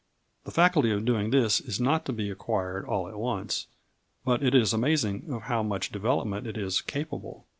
The faculty of doing this is not to be acquired all at once, but it is amazing of how much development it is capable.